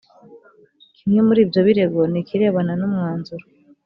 kimwe muri ibyo birego ni ikirebana n umwanzuro